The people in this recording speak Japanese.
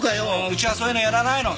うちはそういうのやらないの。